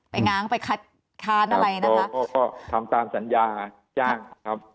ง้างไปคัดค้านอะไรนะคะก็ก็ทำตามสัญญาจ้างนะครับ